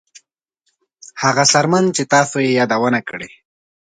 هغه څرمن چې تاسو یې یادونه کړې